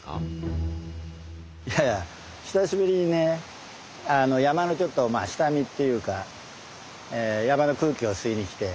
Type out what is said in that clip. いや久しぶりにねあの山のちょっとまあ下見っていうか山の空気を吸いに来て。